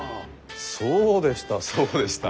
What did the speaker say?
そうでしたそうでした。